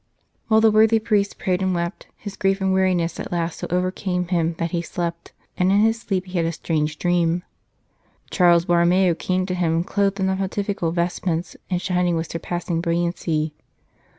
While the worthy priest prayed and wept, his grief and weariness at last so overcame him that he slept, and in his sleep he had a strange dream. Charles Borromeo came to him, clothed in the pontifical vestments and shining with surpassing brilliancy.